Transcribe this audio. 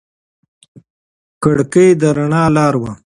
کړکۍ د رڼا لاره وه.